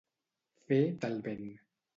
Fer tal vent.